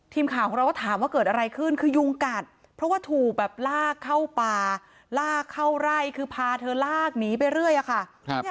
ทีมข่าวของเราก็ถามว่าเกิดอะไรขึ้นคือยุงกัดเพราะว่าถูกแบบลากเข้าป่าลากเข้าไร่คือพาเธอลากหนีไปเรื่อยอะค่ะ